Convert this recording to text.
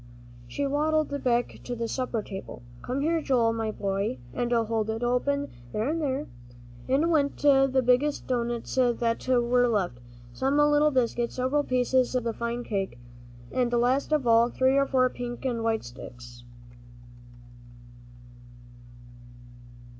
She waddled back to the supper table. "Come here, Joel, my boy, and hold it open there and there." In went the biggest doughnuts that were left, some little biscuits, several pieces of the fine cake, and last of all, three or four pink and white sticks.